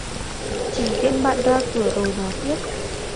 Trình tiễn bạn ra cửa rồi nói tiếp